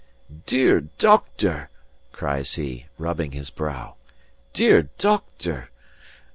"Dear doctor!" cries he, rubbing his brow. "Dear doctor!